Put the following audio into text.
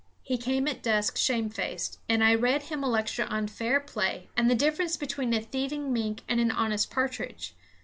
He came at dusk, shamefaced, and I read him a lecture on fair play and the difference between a thieving mink and an honest partridge.